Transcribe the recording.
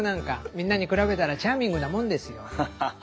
みんなに比べたらチャーミングなもんですよ。ハハハ。